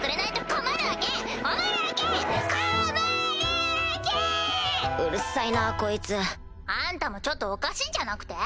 こまるわけ‼うるさいなこいつあんたもちょっとおかしいんじゃなくて？